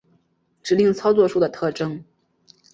指令操作数的特征